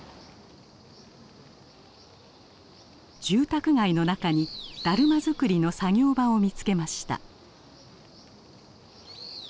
住宅街の中にだるま作りの作業場を見つけました。